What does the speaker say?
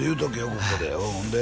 ここでうんほんで？